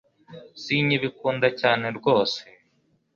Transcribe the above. sinkibikunda cyane rwose